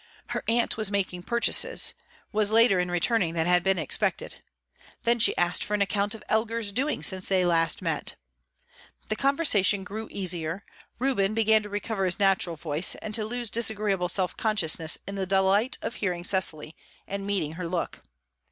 Her aunt was making purchases was later in returning than had been expected. Then she asked for an account of Elgar's doings since they last met. The conversation grew easier Reuben began to recover his natural voice, and to lose disagreeable self consciousness in the delight of hearing Cecily and meeting her look.